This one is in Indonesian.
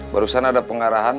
barusan ada pengarahan